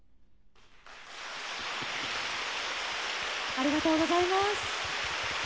ありがとうございます。